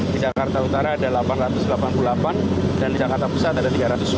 di jakarta utara ada delapan ratus delapan puluh delapan dan di jakarta pusat ada tiga ratus dua puluh